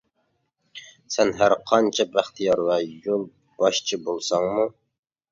سەن ھەر قانچە بەختىيار ۋە يول باشچى بولساڭمۇ.